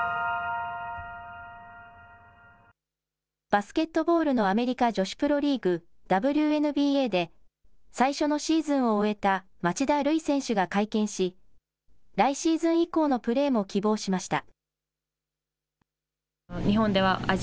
バスケットボールのアメリカ女子プロリーグ、ＷＮＢＡで最初のシーズンを終えた町田瑠唯選手が会見し来シーズン以降のプレーも希望しました。